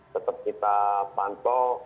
tetap kita pantau